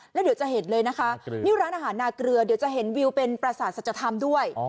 แล้วเดี๋ยวจะเห็นเลยนะคะนี่ร้านอาหารนาเกลือเดี๋ยวจะเห็นวิวเป็นประสาทสัจธรรมด้วย